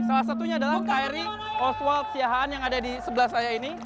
salah satunya adalah kri oswald siahaan yang ada di sebelah saya ini